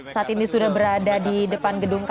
saat ini sudah berada di depan gedung kpk